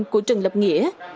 của trần lập nghĩa